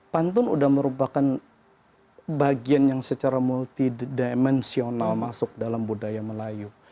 pantun sudah merupakan bagian yang secara multidimensional masuk dalam budaya melayu